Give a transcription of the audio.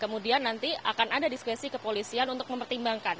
kemudian nanti akan ada diskresi kepolisian untuk mempertimbangkan